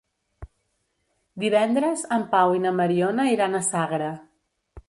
Divendres en Pau i na Mariona iran a Sagra.